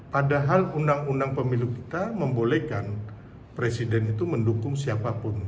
padahal undang undang pemilu kita membolehkan presiden itu mendukung siapapun